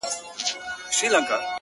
زه_